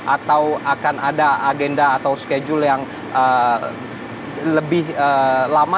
atau akan ada agenda atau schedule yang lebih lama